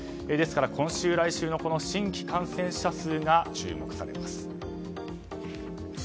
ですから、今秋、来週の新規感染者数が注目されます。